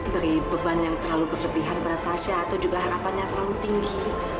beri beban yang terlalu berlebihan berat tasya atau juga harapannya terlalu tinggi